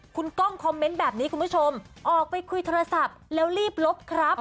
คุณกล้องคอมเมนต์แบบนี้คุณผู้ชมออกไปคุยโทรศัพท์แล้วรีบลบครับ